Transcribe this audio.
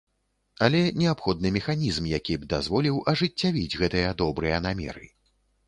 Але неабходны механізм, які б дазволіў ажыццявіць гэтыя добрыя намеры.